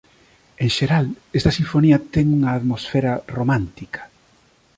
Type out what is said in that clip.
En xeral esta sinfonía ten unha atmosfera romántica.